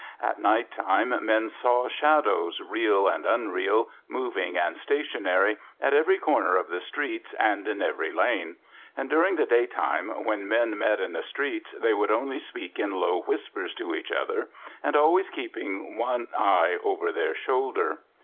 At night time men saw shadows, real and unreal, moving and stationary, at every corner of the streets and in every lane; and during the day time, when men met in the streets, they would only speak in low whispers to each other, and always keeping one eye over their shoulder.